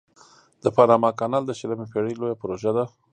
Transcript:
د پاناما کانال د شلمې پیړۍ لویه پروژه وه.